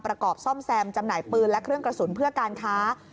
ประกอบซ่อมแซมจำหน่ายปืนและเครื่องกระสุนเพื่อการค้า